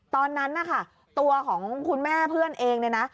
ตอนนั้นนะคะตัวของคุณแม่เพื่อนเองเนี่ยนะ